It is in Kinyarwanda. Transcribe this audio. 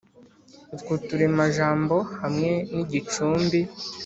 utwo turemajambo hamwe n’igicumbi